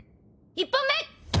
１本目！